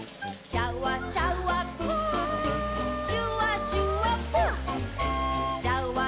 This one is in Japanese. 「シャワシャワプププ」ぷー。